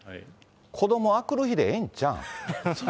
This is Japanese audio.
子どもあくる日でええんちゃうん。